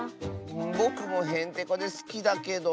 ぼくもへんてこですきだけど。